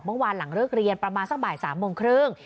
เมื่อวานหลังเลิกเรียนประมาณสักบ่าย๓โมงครึ่ง